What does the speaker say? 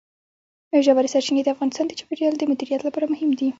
ژورې سرچینې د افغانستان د چاپیریال د مدیریت لپاره مهم دي.